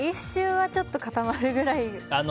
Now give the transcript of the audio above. １周はちょっと固まるくらい。